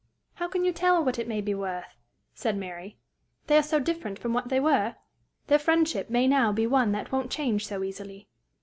"How can you tell what it may be worth?" said Mary, " they are so different from what they were? Their friendship may now be one that won't change so easily."